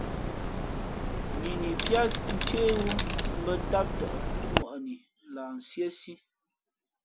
Nini píá ncéhwú mbᾱ ntám tαʼ púʼŋwαʼnǐ lah nsíésí.